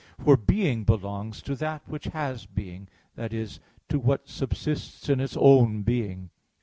For being belongs to that which has being that is, to what subsists in its own being.